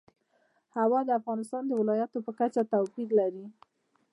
هوا د افغانستان د ولایاتو په کچه توپیر لري.